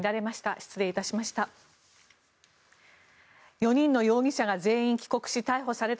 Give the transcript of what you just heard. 失礼いたしました。